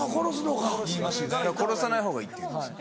殺さないほうがいいっていうんです。